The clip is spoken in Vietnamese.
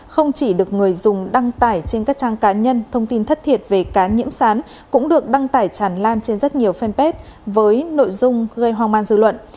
không chỉ được người dùng đăng tải trên các trang cá nhân thông tin thất thiệt về cá nhiễm sán cũng được đăng tải tràn lan trên rất nhiều fanpage với nội dung gây hoang mang dư luận